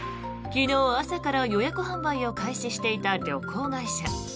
昨日朝から予約販売を開始していた旅行会社。